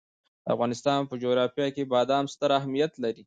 د افغانستان په جغرافیه کې بادام ستر اهمیت لري.